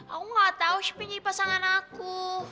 aku gak tau shopee jadi pasangan aku